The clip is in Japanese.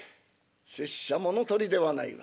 拙者物とりではないわ。